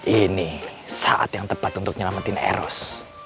ini saat yang tepat untuk nyelamatin eros